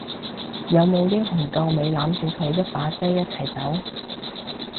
有冇英雄救美攬住佢一把遮一齊走？